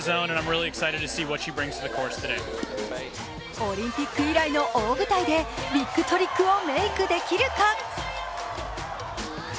オリンピック以来の大舞台でビッグトリックをメイクできるか？